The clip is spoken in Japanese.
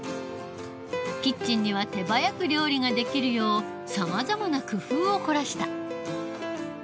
キッチンには手早く料理ができるようさまざまな工夫を凝らした。